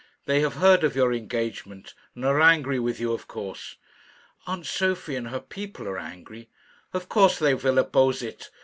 They have heard of your engagement, and are angry with you, of course." "Aunt Sophie and her people are angry." "Of course they will oppose it.